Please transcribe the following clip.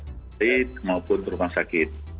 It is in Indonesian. makaupun rumah sakit